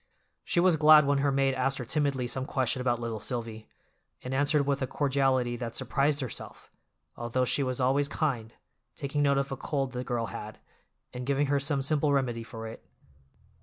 She was glad when her maid asked her timidly some question about little Silvy, and answered with a cordiality that surprised herself, although she was always kind, taking note of a cold the girl had, and giving her some simple remedy for it.